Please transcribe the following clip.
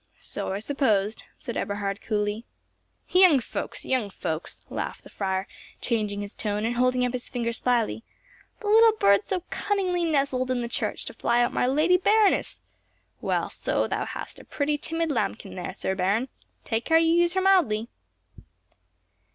"So I supposed," said Eberhard coolly. "Young folks! young folks!" laughed the friar, changing his tone, and holding up his finger slyly; "the little bird so cunningly nestled in the church to fly out my Lady Baroness! Well, so thou hast a pretty, timid lambkin there, Sir Baron. Take care you use her mildly."